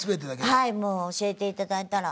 はいもう教えていただいたら。